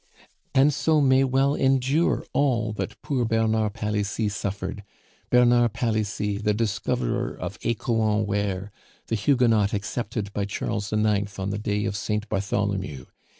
"And so may well endure all that poor Bernard Palissy suffered Bernard Palissy, the discoverer of Ecouen ware, the Huguenot excepted by Charles IX. on the day of Saint Bartholomew.